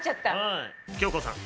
京子さん。